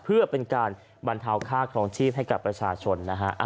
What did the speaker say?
เพื่อเป็นการบรรเทาค่าครองชีพให้กับประชาชนนะฮะ